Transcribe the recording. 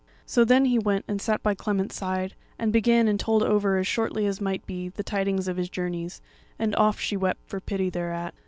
So then he went and sat by Clement's side, and began and told over as shortly as might be the tidings of his journeys. And oft she wept for pity thereat.